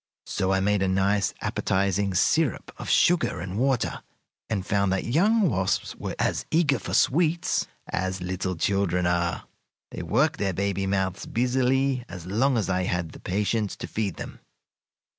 So I made a nice, appetizing syrup of sugar and water, and found that young wasps were as eager for sweets as little children are. They worked their baby mouths busily as long as I had the patience to feed them.